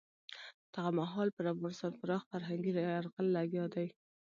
دغه مهال پر افغانستان پراخ فرهنګي یرغل لګیا دی.